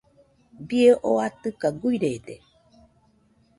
Bie oo atɨka guirede.